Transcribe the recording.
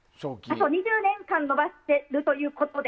あと２０年間伸ばしているということで。